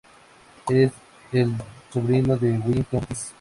Es el sobrino de Willington Ortiz.